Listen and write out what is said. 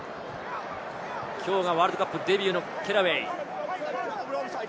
きょうがワールドカップデビューのケラウェイ。